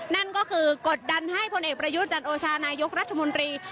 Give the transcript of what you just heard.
นั่นก็คือกดดันให้พลเอกประยุทธ์จันโอชานายกรัฐมนตรี